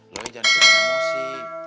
lo aja jangan terlalu emosi